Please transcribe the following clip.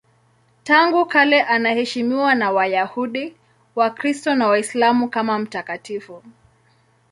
Tangu kale anaheshimiwa na Wayahudi, Wakristo na Waislamu kama mtakatifu.